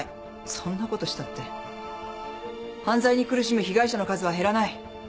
そんなことしたって犯罪に苦しむ被害者の数は減らない。